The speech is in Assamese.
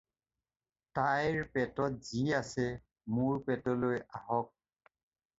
তাইৰ পেটত যি আছে মোৰ পেটলৈ আহক।